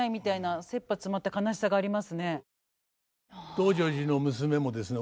「道成寺」の娘もですね